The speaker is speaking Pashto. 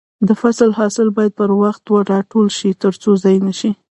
د فصل حاصل باید پر وخت راټول شي ترڅو ضايع نشي.